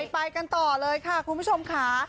ไปกันต่อเลยค่ะคุณผู้ชมค่ะ